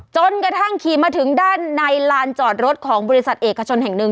จนกระทั่งขี่มาถึงด้านในลานจอดรถของบริษัทเอกชนแห่งหนึ่ง